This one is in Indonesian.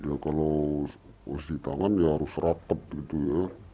ya kalau posisi tangan ya harus rapet gitu ya